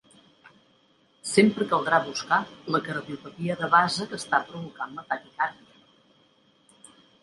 Sempre caldrà buscar la cardiopatia de base que està provocant la taquicàrdia.